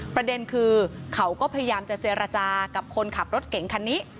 ประเด็นคือเขาก็พยายามจะเจรจากับคนขับรถเก่งคันนี้